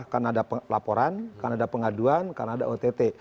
karena ada laporan karena ada pengaduan karena ada ott